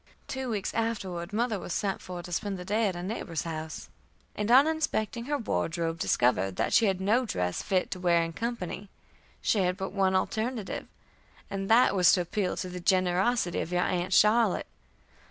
Two weeks afterward mother was sent for to spend the day at a neighbor's house, and on inspecting her wardrobe, discovered that she had no dress fit to wear in company. She had but one alternative, and that was to appeal to the generosity of your aunt Charlotte.